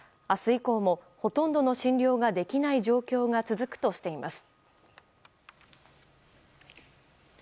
以降もほとんどの診療ができない状況が続くとしています。